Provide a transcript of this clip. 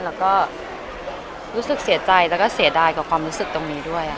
แล้วก็รู้สึกเสียใจแล้วก็เสียดายกับความรู้สึกตรงนี้ด้วย